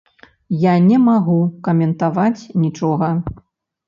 Я не магу каментаваць нічога.